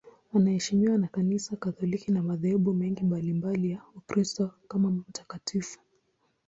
Anaheshimiwa na Kanisa Katoliki na madhehebu mengine mbalimbali ya Ukristo kama mtakatifu.